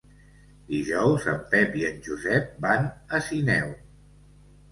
Dijous en Pep i en Josep van a Sineu.